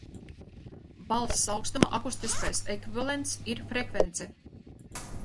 Balss augstuma akustiskais ekvivalents ir frekvence